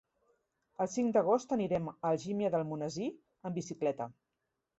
El cinc d'agost anirem a Algímia d'Almonesir amb bicicleta.